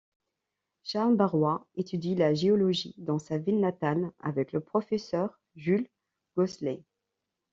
Charles Barrois étudie la géologie dans sa ville natale avec le professeur Jules Gosselet.